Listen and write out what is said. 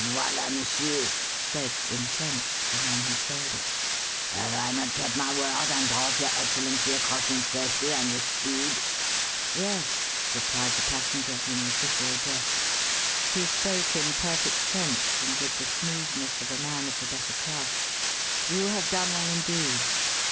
"Voila, m'sieur," said, in French, the man who sailed it. "Have I not kept my word and brought your excellency across in safety and with speed?" "Yes," replied the passenger whom the fisher addressed. He spoke in perfect French, and with the smoothness of a man of the better class. "You have done well indeed.